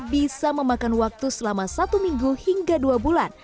bisa memakan waktu selama satu minggu hingga dua bulan